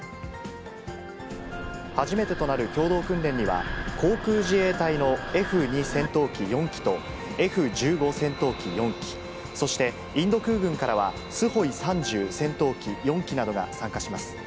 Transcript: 初めてとなる共同訓練には、航空自衛隊のＦ２戦闘機４機とＦ１５戦闘機４機、そしてインド空軍からはスホイ３０戦闘機４機などが参加します。